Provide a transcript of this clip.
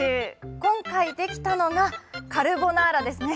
今回できたのがカルボナーラですね。